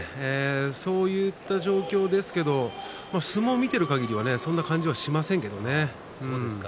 そういった状況ですけれど相撲を見ているかぎりはそんな感じはしませんけれどね。